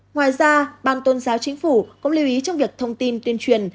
ngoài ra ban tôn giáo chính phủ cũng lưu ý trong việc thông tin tuyên truyền